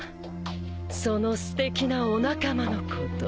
そのすてきなお仲間のこと。